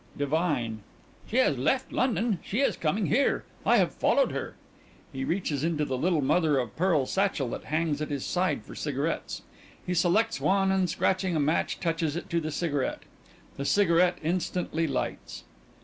DIVINE: She has left London. She is coming here. I have followed her. (_He reaches into the little mother of pearl satchel that hangs at his side for cigarettes. He selects one and scratching a match touches it to the cigarette. The cigarette instantly lights.